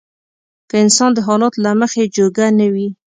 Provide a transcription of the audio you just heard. که انسان د حالاتو له مخې جوګه نه وي.